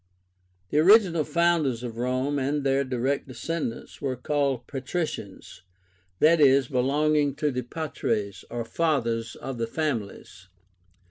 The original founders of Rome and their direct descendants were called PATRICIANS, i. e. belonging to the Patres, or Fathers of the families.